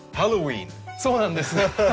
そうなんです。